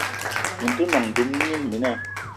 Mini te nòṅ duma mina mina